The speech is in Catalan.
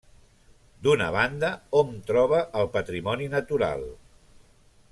D'una banda, hom troba el patrimoni natural.